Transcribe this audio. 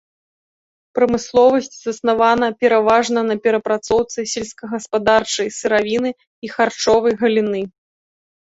Прамысловасць заснавана пераважна на перапрацоўцы сельскагаспадарчай сыравіны і харчовай галіны.